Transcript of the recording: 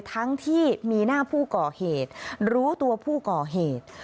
ทั้งที่มีหน้าผู้ก่อเหตุรู้ตัวผู้ก่อเหตุ